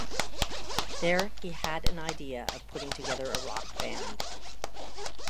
There he had an idea of putting together a rock band.